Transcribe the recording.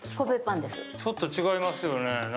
ちょっと違いますよね。